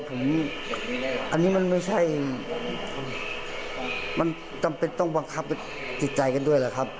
อันนี้มันไม่ใช่มันจำเป็นต้องบังคับจิตใจกันด้วยแหละครับ